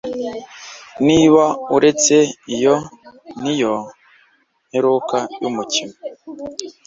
Niba uretse iyo niyo mperuka yumukino